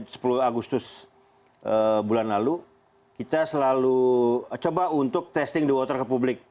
karena selama sebulan mulai sepuluh agustus bulan lalu kita selalu coba untuk testing the water ke publik